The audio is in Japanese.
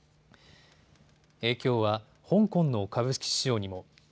影響は香港の株式市場にも。